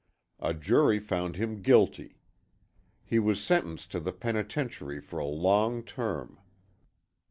A jury found him guilty. He was sentenced to the penitentiary for a long term.